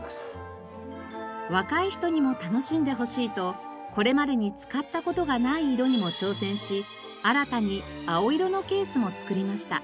若い人にも楽しんでほしいとこれまでに使った事がない色にも挑戦し新たに青色のケースも作りました。